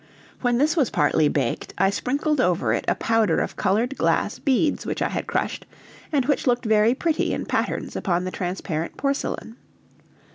When this was partly baked, I sprinkled over it a powder of colored glass beads which I had crushed, and which looked very pretty in patterns upon the transparent porcelain.